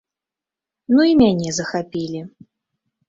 Ну і мяне захапілі.